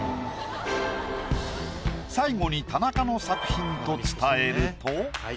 最後に田中の作品と伝えると。